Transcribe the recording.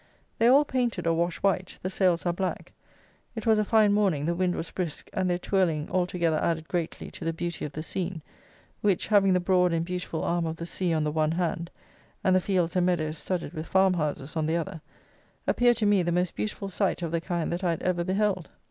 They are all painted or washed white; the sails are black; it was a fine morning, the wind was brisk, and their twirling altogether added greatly to the beauty of the scene, which, having the broad and beautiful arm of the sea on the one hand, and the fields and meadows, studded with farm houses, on the other, appeared to me the most beautiful sight of the kind that I had ever beheld.